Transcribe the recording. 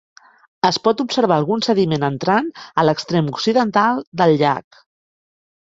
Es pot observar algun sediment entrant a l'extrem occidental del llac.